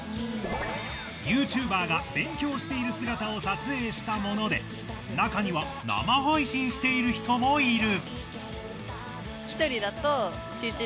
ＹｏｕＴｕｂｅｒが勉強している姿を撮影したもので中には生配信している人もいる。